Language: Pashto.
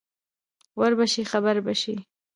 ور به شې خبر به شې.